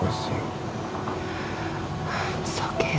pak dari mana kali ini